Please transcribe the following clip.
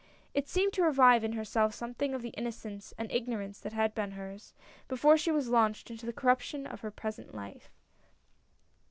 It seemed to revive in herself something of the innocence and ignorance that had been hers, before she was launched into the corruption of her present life.